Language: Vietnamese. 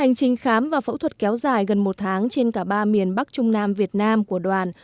hành trình khám và phẫu thuật kéo dài gần một tháng trên cả ba miền bắc trung nam việt nam của đoàn